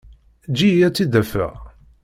Eǧǧ-iyi ad tt-id-afeɣ.